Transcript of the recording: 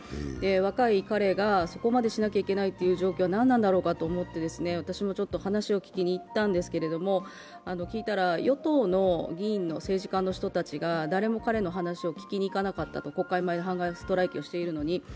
若い彼がそこまでしなきゃいけないという状況は何なんだと思って私も話を聞きに行ったんですけれども、聞いたら、与党の議員の政治家の人たちが誰も彼の話を聞きに行かなかったと、国会前でハンガーストライキをしているというのに。